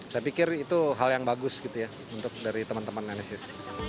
saya pikir itu hal yang bagus dari teman teman enesis